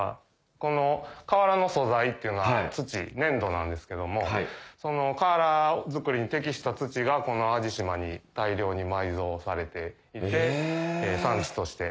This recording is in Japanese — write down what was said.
この瓦の素材っていうのは土粘土なんですけどもその瓦作りに適した土がこの淡路島に大量に埋蔵されていて産地として。